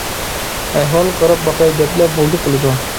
ئەھۋالغا قاراپ باقاي دەپلا بولدى قىلىدۇ.